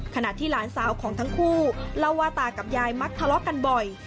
ขณะที่หลานสาวของทั้งคู่เล่าว่าตากับยายมักทะเลาะกันบ่อย